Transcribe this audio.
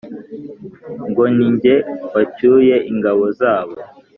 Ngo ni jye wacyuye ingabo zabo